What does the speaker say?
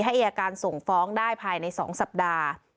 อายการส่งฟ้องได้ภายใน๒สัปดาห์